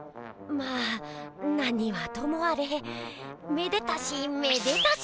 まあ何はともあれめでたしめでたし！